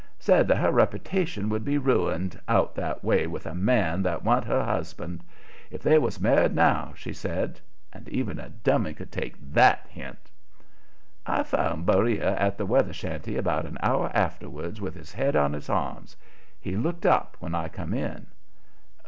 said that her reputation would be ruined, out that way with a man that wa'n't her husband. If they was married now, she said and even a dummy could take THAT hint. I found Beriah at the weather shanty about an hour afterwards with his head on his arms. He looked up when I come in.